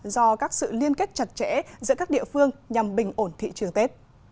do các sự liên kết chặt chẽ giữa các địa phương nhằm bình ổn thị trường tết